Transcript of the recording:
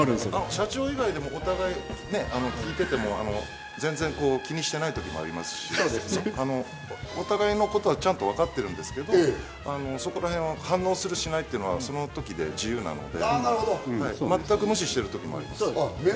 社長以外でも、お互い聞いてても全然聞いてない時ありますし、お互いのことはちゃんと分かってるんですけど、反応するしないっていうのは、その時々で自由なので、全く無視してる時もあります。